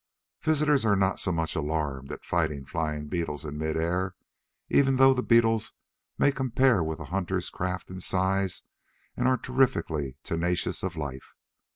Visitors are not so much alarmed at fighting flying beetles in mid air, even though the beetles may compare with the hunters' craft in size and are terrifically tenacious of life.